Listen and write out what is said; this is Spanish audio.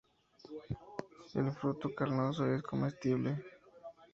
El fruto carnoso es comestible.